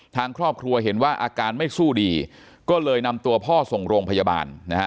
ทางครอบครัวเห็นว่าอาการไม่สู้ดีก็เลยนำตัวพ่อส่งโรงพยาบาลนะฮะ